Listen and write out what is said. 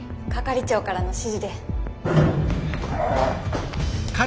係長からの指示で。